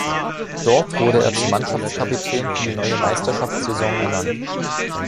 Dort wurde er zum Mannschaftskapitän für die neue Meisterschaftssaison ernannt.